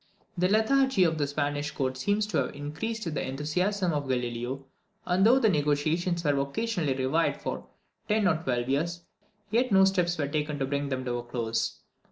The lethargy of the Spanish court seems to have increased with the enthusiasm of Galileo; and though the negotiations were occasionally revived for ten or twelve years, yet no steps were taken to bring them to a close.